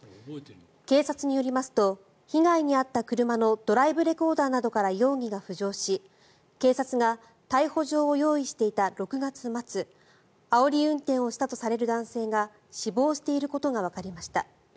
警察によりますと被害に遭った車のドライブレコーダーなどから容疑が浮上し警察が逮捕状を用意していた６月末あおり運転をしたとされる男性が死亡していることがわかりました。